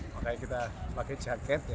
makanya kita pakai jaket